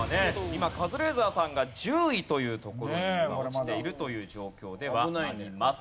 今カズレーザーさんが１０位というところに落ちているという状況ではあります。